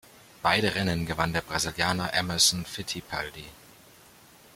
Beide Rennen gewann der Brasilianer Emerson Fittipaldi.